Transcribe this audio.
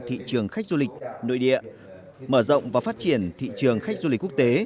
thị trường khách du lịch nội địa mở rộng và phát triển thị trường khách du lịch quốc tế